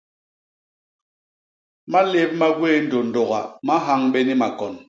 Malép ma gwéé ndondoga ma nhañ bé ni makon.